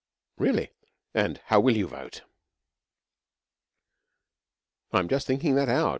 'Really! And how will you vote?' 'I'm just thinking that out.'